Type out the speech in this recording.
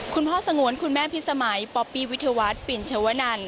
สงวนคุณแม่พิษสมัยป๊อปปี้วิทยาวัฒน์ปินชวนัน